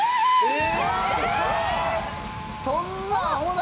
え！